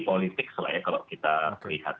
politik soalnya kalau kita perlihatkan